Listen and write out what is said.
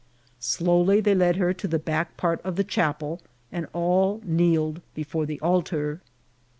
Slowly they led her to the back part of the dMqp* el| and all kneeled before the altar.